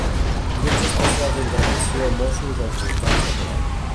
Grups Especials d'Intervenció Mossos als voltants de Palau.